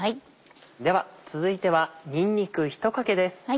では続いてはにんにく１かけです。